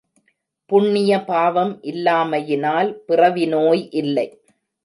புண்ணிய பாவம் இல்லாமையினால் பிறவி நோய் இல்லை.